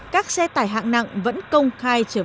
các xe tải hạng nặng vẫn công khai cho du khách